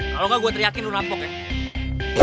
kalo engga gua teriakin lu nampok ya